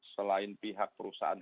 selain pihak perusahaan